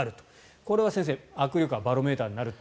これは先生握力はバロメーターになると。